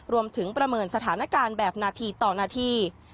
ประเมินสถานการณ์แบบนาทีต่อนาที